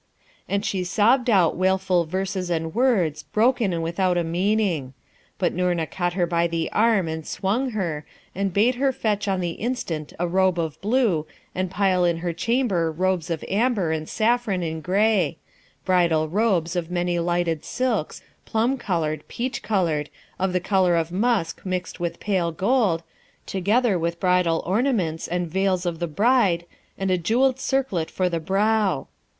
And she sobbed out wailful verses and words, broken and without a meaning; but Noorna caught her by the arm and swung her, and bade her fetch on the instant a robe of blue, and pile in her chamber robes of amber and saffron and grey, bridal robes of many lighted silks, plum coloured, peach coloured, of the colour of musk mixed with pale gold, together with bridal ornaments and veils of the bride, and a jewelled circlet for the brow.